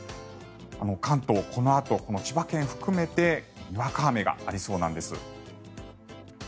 関東、このあと千葉県を含めてにわか雨がありそうなんです。